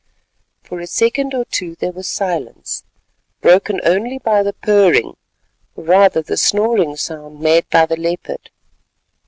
For a second or two there was silence, broken only by the purring, or rather the snoring sound made by the leopard.